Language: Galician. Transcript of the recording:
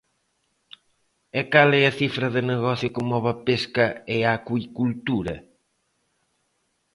E cal é a cifra de negocio que move a pesca e a acuicultura?